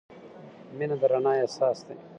• مینه د رڼا احساس دی.